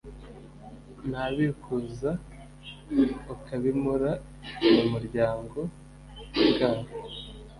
n'abikuza ukabimura mu buryamo bwabo